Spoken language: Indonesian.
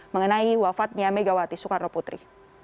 mengenai wafatnya megawati soekarno putri